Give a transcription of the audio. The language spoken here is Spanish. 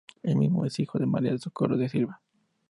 El mismo es hijo de Maria do Socorro Silva.